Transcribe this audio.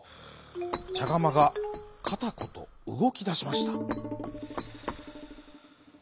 ちゃがまがカタコトうごきだしました。